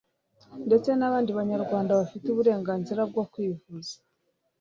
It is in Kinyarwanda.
ndetse n'abandi banyarwanda bafite uburenganzira bwo kwivuza